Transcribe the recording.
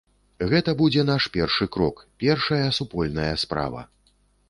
Гэта будзе наш першы крок, першая супольная справа.